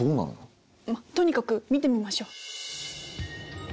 まっとにかく見てみましょう。